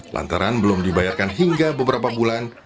lantaran belum dibayarkan hingga beberapa bulan